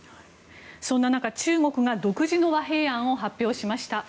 そんな中、中国が独自の和平案を発表しました。